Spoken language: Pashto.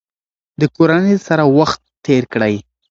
د کورنۍ سره وخت تیر کړئ.